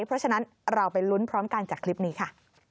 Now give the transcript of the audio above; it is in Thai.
เพราะฉะนั้นเราไปลุ้นพร้อมกันจากคลิปนี้ค่ะ